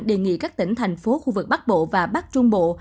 đề nghị các tỉnh thành phố khu vực bắc bộ và bắc trung bộ